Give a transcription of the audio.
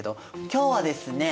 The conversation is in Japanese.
今日はですね